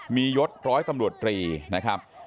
มียศร้อยตำรวจตรีนะครับ